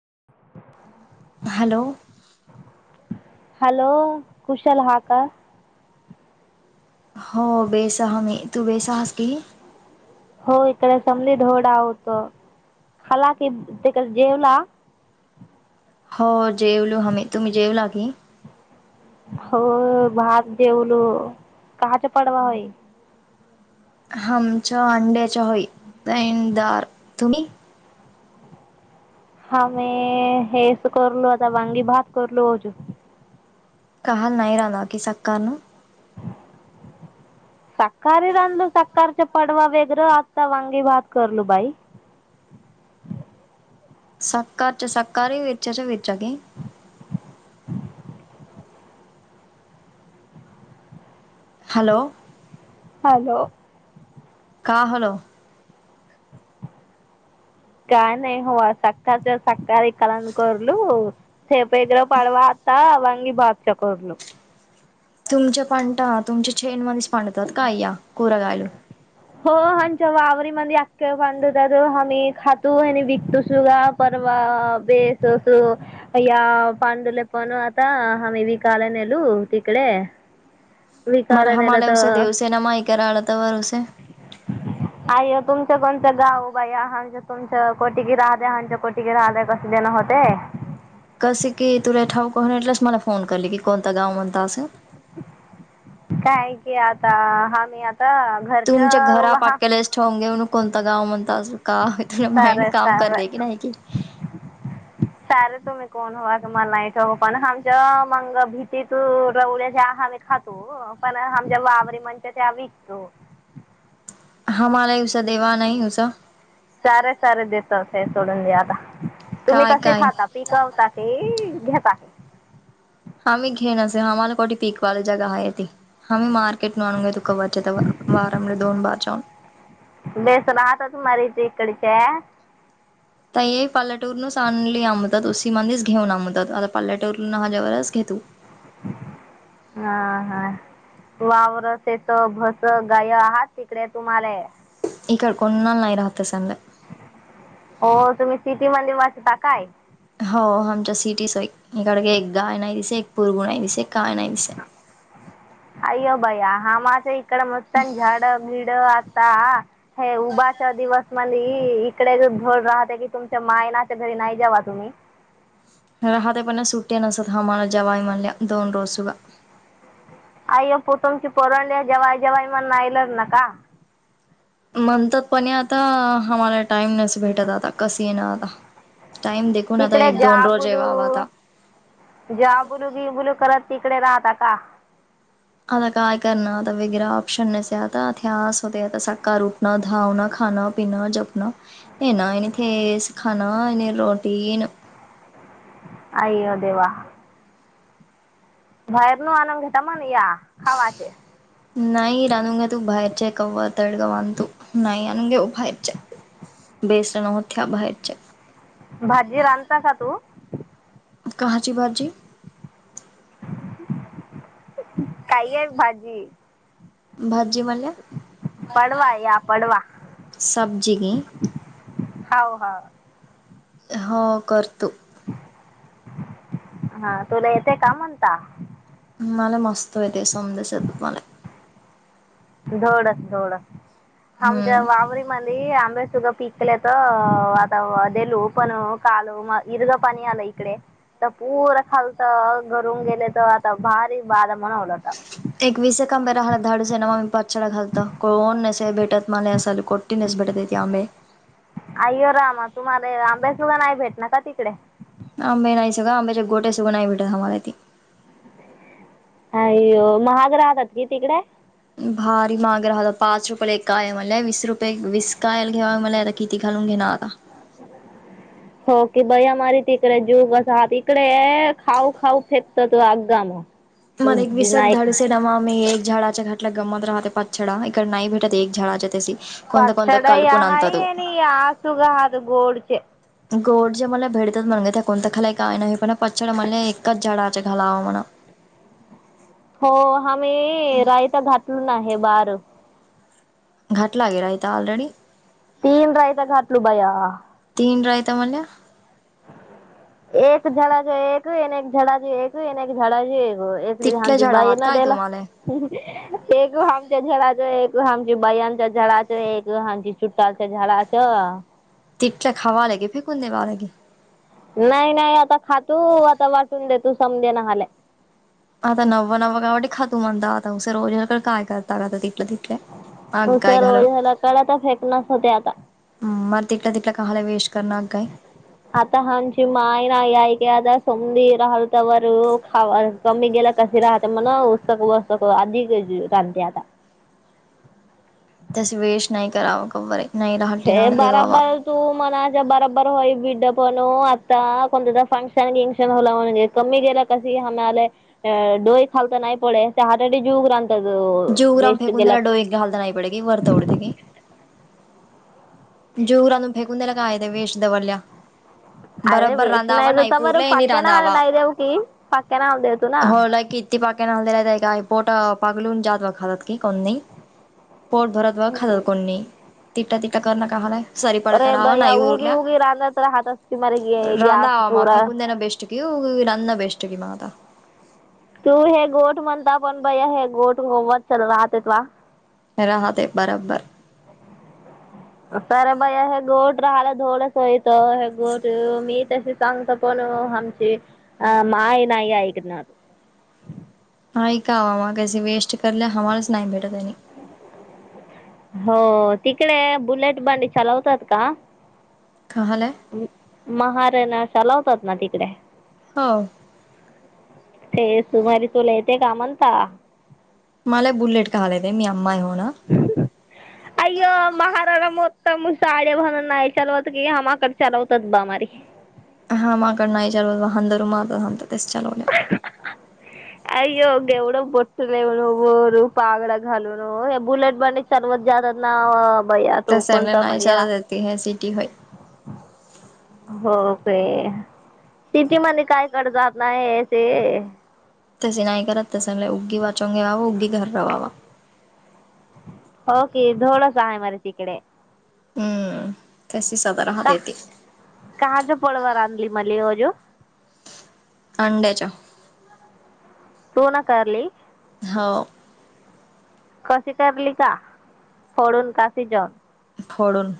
[inaudible] Hello hello खुशाल हा का? हो बेसहा मी तू बेसहास की? हो इकड समदि डोदा होत खाला की तिकड जेवला हो जेवलो हमी तुम्ही जेवला इ हो भात जेवलो काहाच पडवा होय? हमच्या अंडे च्या होई [unintelligible] दार तुम्ही आमे हेच करलो आता वाांगी भात करलो होज. काहल नाही राहला कि सकाररण सखारी आणलो सकारच्या पडवा वेगरं आता वांगी भात करलू बाई. सकाच सकारी वेचारी वेचारी हॅलो हॅलो का हलो काय नाही हो सकारच्या सकार इ काल्यान करलू. तेप एगरा पडवाता वंगी भात करलो. तुमच्या पांटा तुमच्या छेन म पणतोत काय कुरगाय [inaudible] हो हच्या वावरी मदी अख्ख्या पांडूत हाम्ही खातो आणि विकतो सूगा परवा बेस असू या पांडूला पण आता हाम्ही विकाला नेलू तिकडे विकायला नेलं तर [unintelligible] आयो तुमचं कोणतं गाव बाई हामच तुमच कोटीगी राह द हच्या कोटीगी राह द कस देणं होते कस की तुला ठाऊक होऊन वाटलस मला फोन कर लगी की कोणता गाव म्हणता अस हाय की आता हामी तुमच्या घरा पाक्यालाच ठेवून घेऊन कोणतां गाव म्हण रिकामा ऑडिओ [inaudible] का तुला माइंड तर काम करते सार की नाही कि सारे तुम्ही कोण हो मला नाय ठव पण हमच्या मंग भीती तू रवळ्या ज्या आम्ही खातो पण हम जे वावरे म्हणच्या त्या विकतो. हम्हाला उसा देवा नाही उसा सारे सारे देेतत ते सोडून दे आता तुम्ही काय कसे काय खाता? पिकवता ते घेत आहे. आम्ही घेन असे आम्हाला कोठी पिकवाला जगा आहे ती. हम्म मार्केट म आणू घेतो कवच्या त्यावर बारामध्ये दोन बार जाऊन कडीच्या ताई पाल्याटोरूनच आणली अमदत उसी माधीच घेऊन अमदत आता पाल्याटोवरून आल्यावरच घेतू. हा-हा वावरत असे भस गाय आहा तिकडे तुम्हाले इ का कोणा नाही राहत संग. सिटी मंदे वाचता काय हो आमच्या सिटीस एक गडगे, एक गाय नाही दिसे, एक पुरगु नाही दिसे, काय नाही दिसे. हायो भैया हा माचय इकडं मस्तान झाड बीड [unintelligible] हे उभाचा दिवस मला हि इकडेच [unintelligible] राहते की तुमच्या मायनाच्या घरी नाही जावा तुम्ही राहते पण सुट्टे नसत ह मला जवाय म्हणल्या दोन रोज सुगा आई पट्टून तुमची पोरंड जेव्हा जेव्हाई म नाईलाज नका. म्हणतात पने आता आम्हाला टाईम नस भेटत आता कस येणं आता? टाइम देखून आता तिकडे एक दोन रोज येवावा आता जाबुलू-जाबुलू बिबुलू करत तिकडे राहता का? आता काय करणा आता वगेरे ऑप्शन नसे आता ध्यास होते, आता सका रुटण, धावणं, खानं, पीनं जपण हे ना थेस खाना आणि रोटी न अइयो देेवा बाहेर न आनंद घटा मना या खावाचे नाही रानून घ्या तू बाहेरचे कववा तडगाव आण तू नाही आणून घे बाहेरचे. बेसन होत्या बाहेरच्या. भाजी रांधता का तू? कहाची भाजी? काही आहे भाजी? भाद सजी म्हणल्या पडवा या पडवा सब्जी गे हाव हाव हो करतो हा तुला येते का म्हणता? मला मस्त येते संदेश शेत मला धोडस धोड आमच्या हम्म वावरीमधी आम वैसुग पिकले अ तर आता देलू पण काल म इर्ग पाणी आलं इकडे तर पुरं खालतं घरून गेलेलं आता भारी बारम [unintelligible] घालत कोण नसेल भेटत मला असाल कोट्टी नसेल भेटत ते आंबे आय्यो रामा तुम्हाला हे आंब्यासुद्धा नाही भेटणे का तिकडे आंबे नाही सगं आंब्याच्या गोट्या सुद्धा नाही भेटत आम्हाला इथे हाय महाग राहतात कि तिकडे भारी महाग राहतात पाच रुपयले काय म्हणले वीस रुपये विस्कायल घ्याव्या म्हणलात तर किती घालून घेणार हो की बया तिकडे जीव अस हा इकडे खाऊ खाऊ फेकतात तो आगगाम मर एक विसग धाडस मी येईन झाडाच्या घाटला गम मात्र पाच छडा नाही भे पाच चढाया कालपून आणता तो हाये नीआ सुुगा हात गोडचे गोड जे मला भेडतात म्हणे त्या कोणत खालाय काय नाही पण पचछड म्हणे एकाच झाडाच खाल म्हणा हो हा मी रायता घातलेला हाय हे बार घाट लागेलय इथे ऑलरेडी तीन रायता घातलु बया तीन रायता मल्ल्या एक झाडाचे एकने एक झाडाचे एक एने एक झाडाची एक हो तिथल्या लहानची झाड बाई आहात ना काय द्याला तुम्हाला [unintelligible] तितक खावा लगे फेकून द्यावा लगे नाही नाही आता खा तू आता वाटून देतो समद्या नला आता नवा नवा कावडी खा सर्व जण काय करता की उतार वय झालं की होतय आता मग [unintelligible] आता आमची माय नाय [unintelligible] [unintelligible] हे ना बरा देवावा बरं तू मना च होई [unintelligible] वेस्ट गेला [unintelligible] जीव लागून फेकून द्यायला काय वेष दवडल्या अरे वेस्ट नाही देता बरं पाक्याना हा नाही देऊ की पाक्याना हा देतो ना [unintelligible] [unintelligible] [unintelligible] तिथ तिथ [unintelligible] रांधावा मग फेकून [unintelligible] [unintelligible] [unintelligible] हा ते बरोबर आत र बया हे गोड [unintelligible] [unintelligible] त्यासनी सांगतो पण आमची माय नाही ऐकनार ऐका [unintelligible] हवाच नाही भेटतय हो तिकडे बुलेट बंडी चालवतात का? कहालाय [unintelligible] तिकडे हो तुम्हारी तो [unintelligible] मला बुलेट कहा येतेय मी अम्मा आहे हं हं अय्यो महाराणा मो [unintelligible] [unintelligible] अय्यो केवढ मोठं [unintelligible] [unintelligible] हो तिथी मन काय कड जात नाही ते तशी नाय करत तस उगीव उगी [unintelligible] [unintelligible] ओके थोडस आहे म्हण तिकडे हम्म तशी सदा राहत येते [unintelligible] अंड्याच्या सोना कारली हो कशी करली का फोडुन की शिजुन फोडुन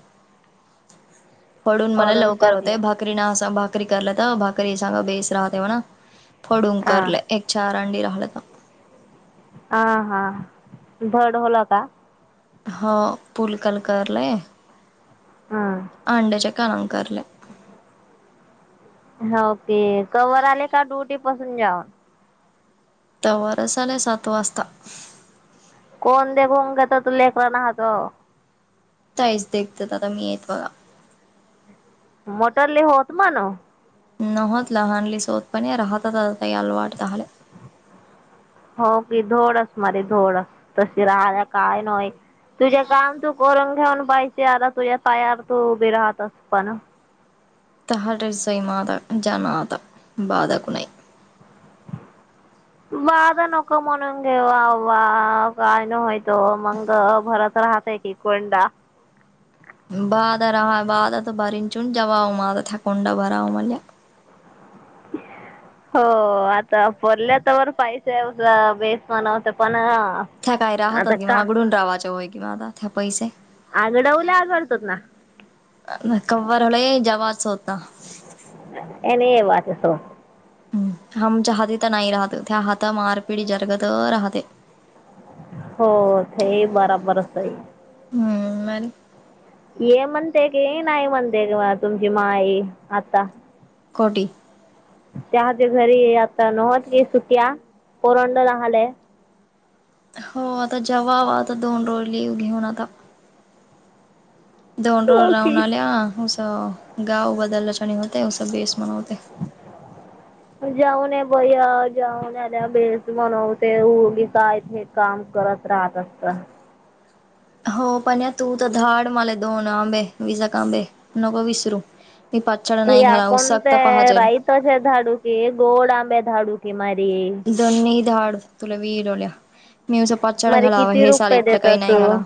फोडुन मला फोडून लवकर होतंय करली भाकरी ना असा भाकरी [unintelligible] फोडुन हा करलय एक चार अंडी राह [unintelligible] हा हा भडवल का हो पुलकल करलय हा अंड्याच्या काम करलंय हो ते कवर आलं का डु अजून घ्या. तवा असा नाही सात वाजता. कोण दे [unintelligible] लेकरांना हासव. [unintelligible] मोटरली होत मानो न होत म्हणे लहानली सोतपणे रहा तू आता आठ दहाले हो की दोडस मधे दोड्स तशी रहाया काय नाही तुझे काम तू करून घेवून बाई त्या तुझ्या पायावर तुझी तू उभी राहत असत ना [unintelligible] माझा नको म्हणुन घे वहावा [unintelligible] मंग भरत राहतय की कोयंडा बादरा बाधत बरीन चून जवाब मागत हाकुंड बराव म्हणल्या हो आता भरल्या तवर पैसे [unintelligible] था कायरा हातात घेऊन का आखडून राहायचा व्हय की बाबा था पैसे आगडवल्या आगडतात ना कवरुले जवास स्वतः [unintelligible] हम चाह तिथ नाही रहात [unintelligible] राहते हो थै बराबरच है ह्म्म [unintelligible] ये म्हणते की नाही म्हणते जेवा तुमची माय ये आता खोटी त्याच घरी आत्ता नव्ह त्या येत होत्या पोरांना हो आता जवाब आता दोन डोळनी घेऊ नका. हो की [unintelligible] [unintelligible] [unintelligible] ् [unintelligible] [unintelligible] [inaudible] ह्या कोणते राही तसे धाडू की गोड आंबे धाडू? [unintelligible] द निर मारी किती रुपये देत असू [unintelligible] [unintelligible]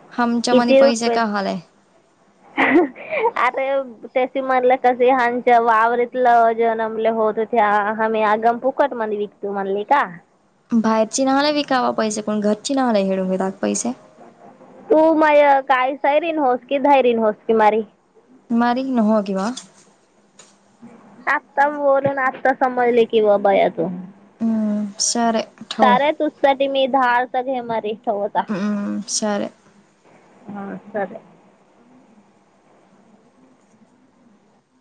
[unintelligible] [unintelligible] [unintelligible] ओ माय काळी सायरिन होस की, धायरीन होस ती मारी [unintelligible] [unintelligible] हम्म सरे [unintelligible] ठेव [unintelligible] हम्म.... हा चालेल.